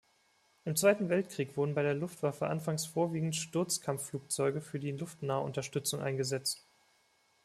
Im Zweiten Weltkrieg wurden bei der Luftwaffe anfangs vorwiegend Sturzkampfflugzeuge für die Luftnahunterstützung eingesetzt.